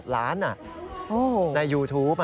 ล้านในยูทูป